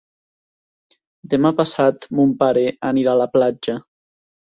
Demà passat mon pare anirà a la platja.